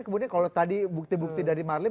kemudian kalau tadi bukti bukti dari marlim